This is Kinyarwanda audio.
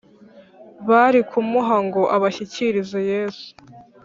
bari kumuha ngo abashyikirize Yesu